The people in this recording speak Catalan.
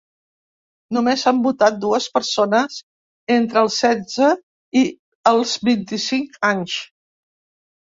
Només han votat dues persones entre els setze i els vint-i-cinc anys.